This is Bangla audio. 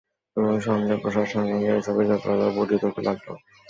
এবং সঙ্ঘের প্রসারের সঙ্গে সঙ্গে এ-সবের জটিলতাও বর্ধিত হতে লাগল।